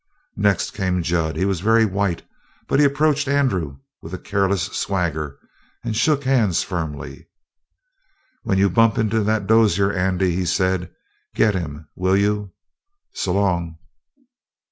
Next came Jud. He was very white, but he approached Andrew with a careless swagger and shook hands firmly. "When you bump into that Dozier, Andy," he said, "get him, will you? S'long!"